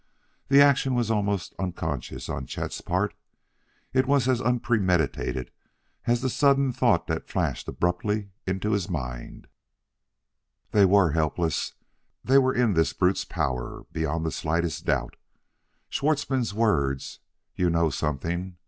The action was almost unconscious on Chet's part; it was as unpremeditated as the sudden thought that flashed abruptly into his mind They were helpless; they were in this brute's power beyond the slightest doubt. Schwartzmann's words, "You know something.